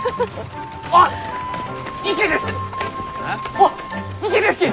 あっ池ですき！